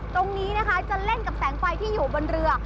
ตรงนี้นะคะจะเล่นกับแสงไฟที่อยู่บนเรือ